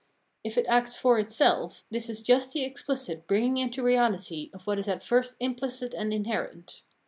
If it acts for itself, this is just the explicit bringing into reality of what is at first imphcit and inherent.